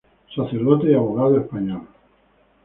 Sacerdote y abogado español.